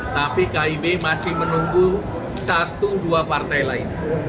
tapi kib masih menunggu satu dua partai lain